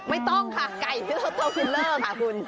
ไม่ต้องค่ะไก่เทอดคุณเลิกค่ะคุณ